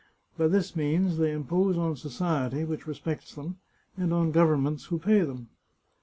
By this means they impose on society, which respects them, and on govern ments, who pay them.